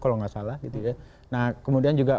kalau nggak salah gitu ya nah kemudian juga